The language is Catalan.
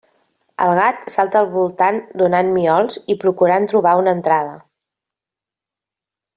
El gat salta al voltant donant miols i procurant trobar una entrada.